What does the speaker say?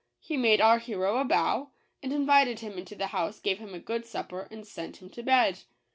He made our hero a bow, and invited him into his house, gave him a good supper, and sent him to bed.